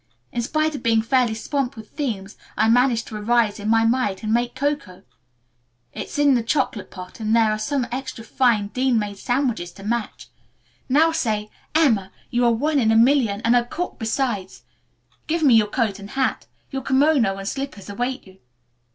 In spite of being fairly swamped with themes, I managed to arise in my might and make cocoa. It's in the chocolate pot and there are some extra fine Dean made sandwiches to match. Now say, 'Emma, you are one in a million, and a cook besides.' Give me your coat and hat. Your kimono and slippers await you."